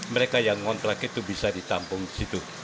mereka yang ngontrak itu bisa ditampung di situ